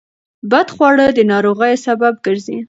بدخواړه د ناروغیو سبب ګرځي.